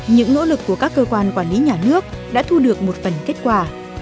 những nỗ lực của các cơ quan quản lý nhà nước đã thu được một phần kết quả